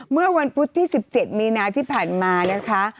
เมื่อวันพุธที่๑๗มีนาที่ผ่านมานะคะ